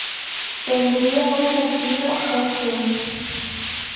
Tendría un sentido, un fin.